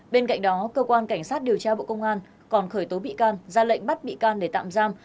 bên cạnh đó cơ quan cảnh sát điều tra bộ công an còn khởi tố bị can ra lệnh bắt bị can để tạm giam